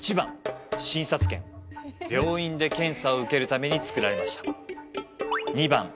病院で検査を受けるために作られました